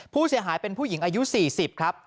ผู้เสียหายเป็นผู้หญิงอายุ๔๐ครับ